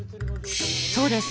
そうです。